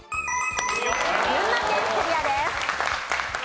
群馬県クリアです。